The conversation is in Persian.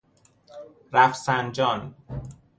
رفسنجان